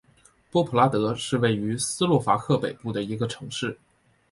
波普拉德是位于斯洛伐克北部的一个城市。